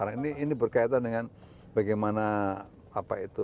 karena ini berkaitan dengan bagaimana apa itu